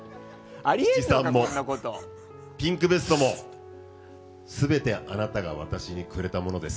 七三もピンクベストも全てあなたが私にくれたものです。